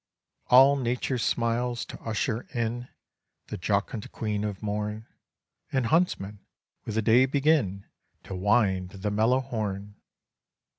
"'All nature smiles to usher in The jocund Queen of morn, And huntsmen with the day begin To wind the mellow horn!'"